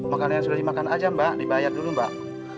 makanan yang sudah dimakan aja mbak dibayar dulu mbak